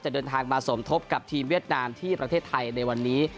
เดินทางมาสมทบกับทีมเวียดนามที่ประเทศไทยในวันนี้